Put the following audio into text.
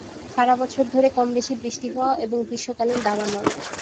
সারাবছর ধরে কম বেশি বৃষ্টি হওয়া এবং গ্রীষ্মকালীন দাবানল।